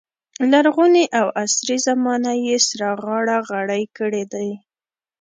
لرغونې او عصري زمانه یې سره غاړه غړۍ کړې دي.